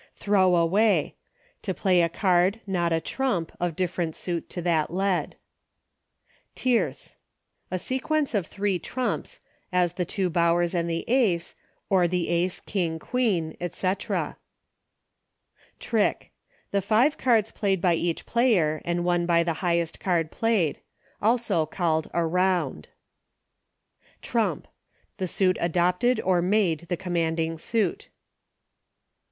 Throw Away. To play a card, not a trump, of different suit to that led. Tierce. A sequence of three trumps, as the two Bowers and Ace, or the Ace, King, Queen, et cceL Trick. The five cards played by each player, and won by the highest card played — also called a Eound. TECHNICALITIES. 87 Tkump. The suit adopted, or made, the commanding suit.